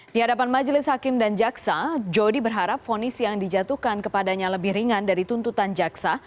di hadapan majelis hakim dan jaksa jodi berharap fonis yang dijatuhkan kepadanya lebih ringan dari tuntutan jaksa